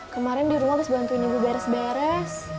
kemarin di rumah habis bantuin ibu beres beres